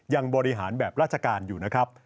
ยังบริหารแบบราชการอยู่นะครับ